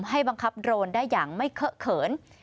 ให้บังคับโดรนได้อย่างไม่เคอะเขิน